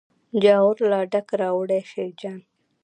جاغور لا ډک راوړي شیرجان.